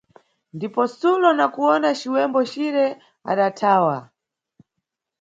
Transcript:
Ndipo Sulo, nakuwona ciwembo cire, adathawa.